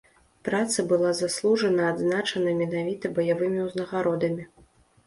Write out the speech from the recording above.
Праца была заслужана адзначана менавіта баявымі ўзнагародамі.